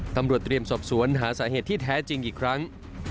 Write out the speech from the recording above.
ตำรวจเตรียมสอบสวนหาสาเหตุที่แท้จริงอีกครั้ง